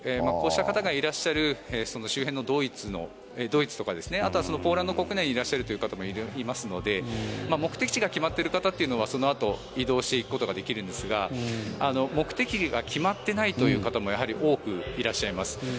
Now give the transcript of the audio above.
こうした方がいらっしゃる周辺のドイツとかあとはポーランド国内にいらっしゃるという方もいますので目的地が決まっている方というのはそのあと移動していくことができるんですが目的地が決まっていないという方もやはり多くいらっしゃいます。